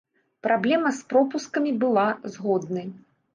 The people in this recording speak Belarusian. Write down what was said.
Праблема з пропускамі была, згодны.